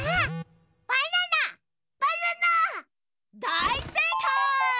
だいせいかい！